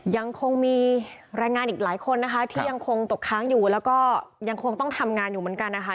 ยังคงมีแรงงานอีกหลายคนนะคะที่ยังคงตกค้างอยู่แล้วก็ยังคงต้องทำงานอยู่เหมือนกันนะคะ